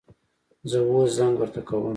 زه اوس زنګ ورته کوم